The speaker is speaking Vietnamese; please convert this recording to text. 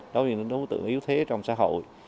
đối với những đối tượng yếu thế trong xã hội